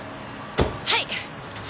はい。